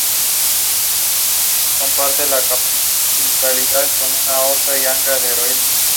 Pronto se interesó por la naturaleza y empezó a pintar paisajes.